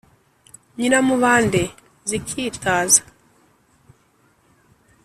Nyiramubande zikitaza